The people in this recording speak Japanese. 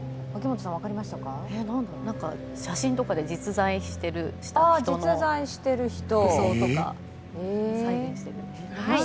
写真とかで実在した人の服装とか再現している。